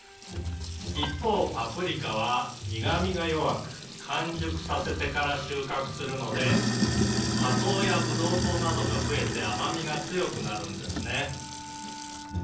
「一方パプリカは苦味が弱く完熟させてから収穫するので果糖やブドウ糖などが増えて甘味が強くなるんですね」